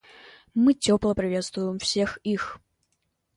Мы тепло приветствуем всех их.